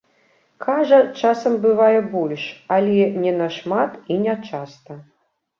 Кажа, часам бывае больш, але не нашмат і нячаста.